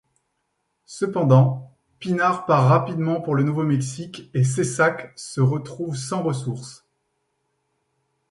Cependant, Pinart part rapidement pour le Nouveau-Mexique et Cessac se retrouve sans ressources.